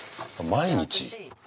毎日！